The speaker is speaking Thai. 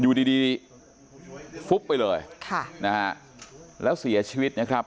อยู่ดีดีฟุบไปเลยค่ะนะฮะแล้วเสียชีวิตนะครับ